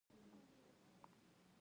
دوی د غره خلک دي.